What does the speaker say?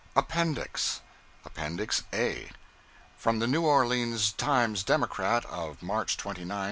APPENDIX APPENDIX A (FROM THE NEW ORLEANS TIMES DEMOCRAT OF MARCH 29, 1882.)